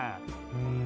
うん。